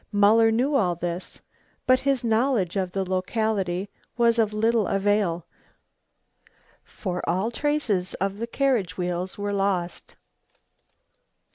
Muller knew all this, but his knowledge of the locality was of little avail, for all traces of the carriage wheels were lost.